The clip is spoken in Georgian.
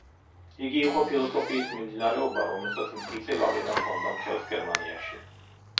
იგი იყო ფილოსოფიის მიმდინარეობა, რომელსაც მტკიცე გავლენა ჰქონდა მთელს გერმანიაში.